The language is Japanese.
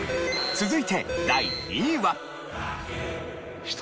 続いて第２位は。